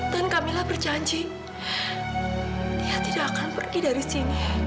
dan kamila berjanji dia tidak akan pergi dari sini